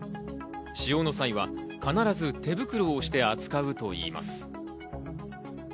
使用の際は必ず手袋をして扱うといいます。